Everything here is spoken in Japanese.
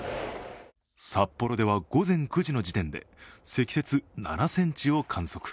札幌では午前９時の時点で積雪７ｃｍを観測。